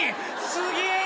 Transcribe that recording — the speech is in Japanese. すげえ！